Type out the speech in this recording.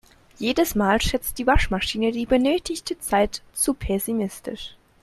Jedes Mal schätzt die Waschmaschine die benötigte Zeit zu pessimistisch.